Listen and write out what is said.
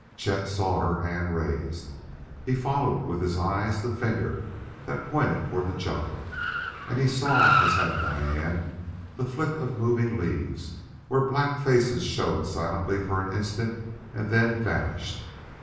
Chet saw her hand raised; he followed with his eyes the finger that pointed toward the jungle, and he saw as had Diane the flick of moving leaves where black faces showed silently for an instant and then vanished.